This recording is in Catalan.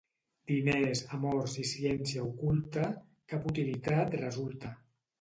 Diners, amors i ciència oculta, cap utilitat resulta.